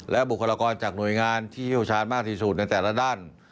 และบุคลากรจากหน่วยงานที่เชี่ยวชาญมากที่สุดในแต่ละด้าน